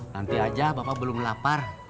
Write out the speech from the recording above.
nanti aja bapak belum lapar